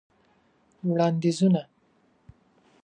وړاندیزونه :